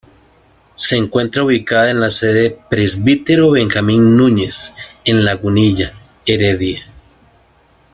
Se encuentra ubicada en la sede "Presbítero Benjamín Nuñez" en Lagunilla, Heredia.